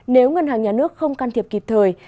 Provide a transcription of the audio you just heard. nếu ngân hàng nhà nước không can thiệp kịp thời